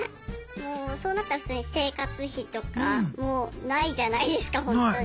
そうなったら普通に生活費とかもうないじゃないですかほんとに。